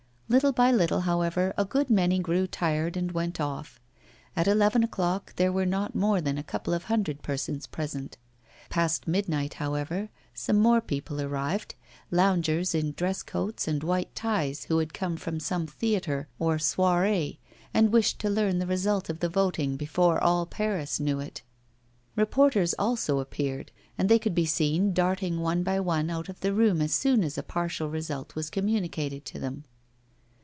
Little by little, however, a good many grew tired and went off. At eleven o'clock there were not more than a couple of hundred persons present. Past midnight, however, some more people arrived, loungers in dress coats and white ties, who had come from some theatre or soirée and wished to learn the result of the voting before all Paris knew it. Reporters also appeared; and they could be seen darting one by one out of the room as soon as a partial result was communicated to them.